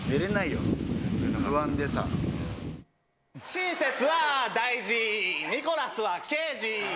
親切は大事、ニコラスはケイジ。